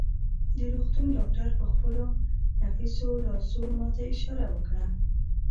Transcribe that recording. د روغتون ډاکټر په خپلو نفیسو لاسو ما ته اشاره وکړه.